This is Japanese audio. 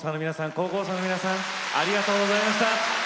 高校生の皆さんありがとうございました。